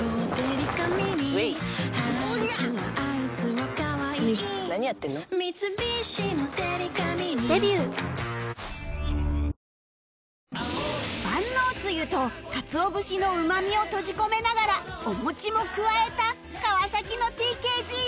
わかるぞ万能つゆとかつお節のうま味を閉じ込めながらお餅も加えた川の ＴＫＧＹ